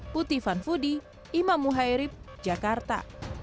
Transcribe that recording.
puti fanfudi imam muhairib jakarta